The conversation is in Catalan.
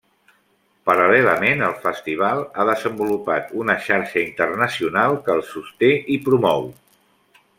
Paral·lelament al festival, ha desenvolupat una xarxa internacional que el sosté i promou.